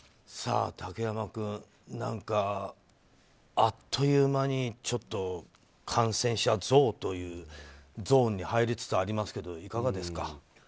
竹山君、何かあっという間に感染者増というゾーンに入りつつありますがいかがですか？